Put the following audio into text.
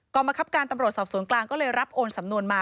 กรรมคับการตำรวจสอบสวนกลางก็เลยรับโอนสำนวนมา